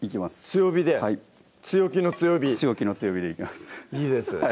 強火で強気の強火強気の強火でいきますいいですね